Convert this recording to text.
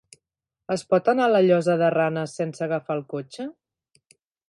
Es pot anar a la Llosa de Ranes sense agafar el cotxe?